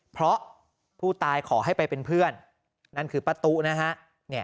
เพราะผู้ตายขอให้ไปเป็นเพื่อนนั่นคือป้าตู้นะฮะ